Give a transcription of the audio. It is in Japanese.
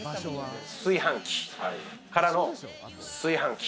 炊飯器からの炊飯器。